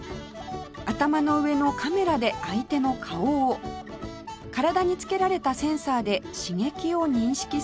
頭の上のカメラで相手の顔を体に付けられたセンサーで刺激を認識する仕組みです